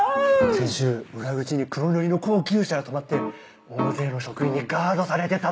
先週裏口に黒塗りの高級車が止まって大勢の職員にガードされてたって！